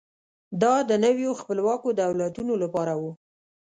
دا د نویو خپلواکو دولتونو لپاره و.